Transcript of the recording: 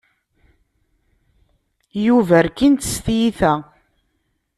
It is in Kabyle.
Yuba rkin-t s tyita.